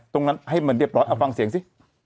ตรงนั้นให้มันเรียบร้อยเอาฟังเสียงสิ